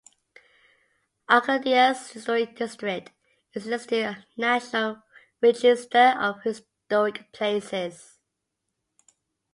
Arcadia's Historic District is listed on the National Register of Historic Places.